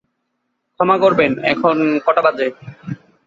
ক্ষমা করবেন, এখন কটা বাজে?